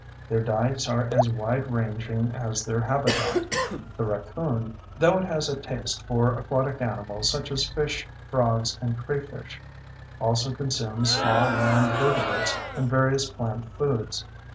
Their diets are as wide ranging as their habitat. The raccoon, though it has a taste for aquatic animals such as fish, frogs, and crayfish, also consumes small land vertebrates and various plant foods.